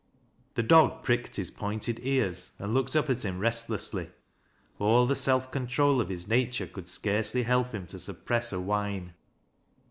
The dog pricked his pointed ears and looked up at him restlessly. All the self control of his nature could scarcely help him tD suppress a whine.